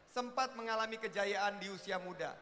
sempat mengalami kejayaan di usia muda